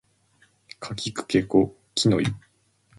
かきくけこきのゆ